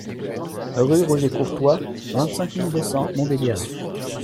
Rue Roger Courtois, vingt-cinq mille deux cents Montbéliard